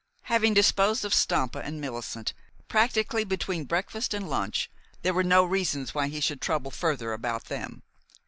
Having disposed of Stampa and Millicent, practically between breakfast and lunch, there were no reasons why he should trouble further about them.